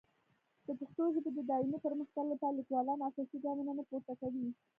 د پښتو ژبې د دایمي پرمختګ لپاره لیکوالان اساسي ګامونه نه پورته کوي.